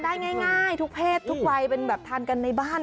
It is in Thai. ได้ง่ายทุกเพศทุกวัยเป็นแบบทานกันในบ้าน